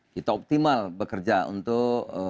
kita optimal bekerja untuk